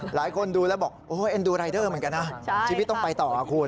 หลายคนดูแล้วบอกโอ้เอ็นดูรายเดอร์เหมือนกันนะชีวิตต้องไปต่อคุณ